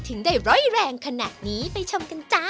ถึงได้ร้อยแรงขนาดนี้ไปชมกันจ้า